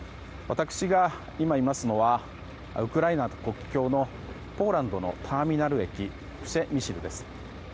私が今、いますのはウクライナと国境のポーランドのターミナル駅プシェミシルです。